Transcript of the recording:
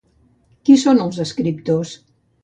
Qui són els escriptors?